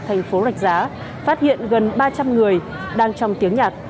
thành phố rạch giá phát hiện gần ba trăm linh người đang trong tiếng nhạc